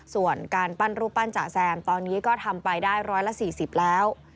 ส่วนการปั้นรูปปั้นจ๋าแซมตอนนี้ก็ทำไปได้๑๔๐แล้ว